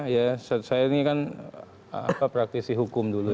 ya saya ini kan praktisi hukum dulu